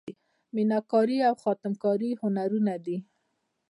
میناکاري او خاتم کاري هنرونه دي.